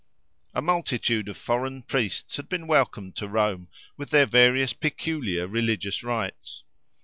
A multitude of foreign priests had been welcomed to Rome, with their various peculiar religious rites.